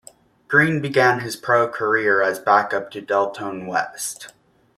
Greene began his pro career as backup to Delonte West.